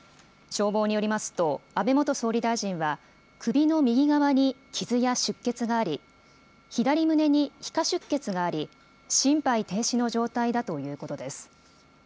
消防によりますと、安倍元総理大臣は首の右側に傷や出血があり、左胸に皮下出血があり、心肺停止の状態だということです。